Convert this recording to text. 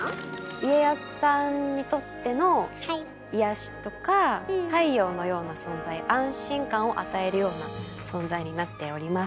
家康さんにとっての癒やしとか太陽のような存在安心感を与えるような存在になっております。